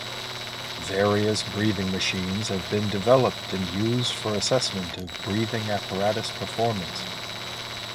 Various breathing machines have been developed and used for assessment of breathing apparatus performance.